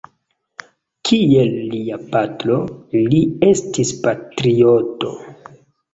Kiel lia patro, li estis patrioto.